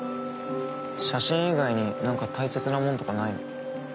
写真以外になんか大切なもんとかないの？